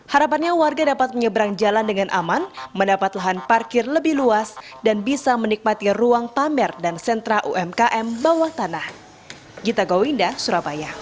harapannya warga dapat menyeberang jalan dengan aman mendapat lahan parkir lebih luas dan bisa menikmati ruang pamer dan sentra umkm bawah tanah